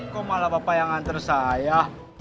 kok malah bapak yang nganter saya